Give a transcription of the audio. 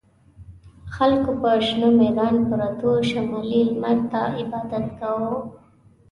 خلکو په شنه میدان پروتو شمالي لمر ته عبادت کاوه.